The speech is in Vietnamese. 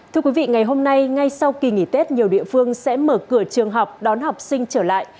thưa quý vị ngày hôm nay ngay sau kỳ nghỉ tết nhiều địa phương sẽ mở cửa trường học đón học sinh trở lại